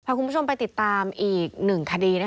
พาคุณผู้ชมไปติดตามอีก๑คดี